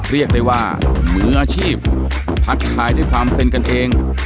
เรียกได้ว่ามืออาชีพทักทายด้วยความเป็นกันเอง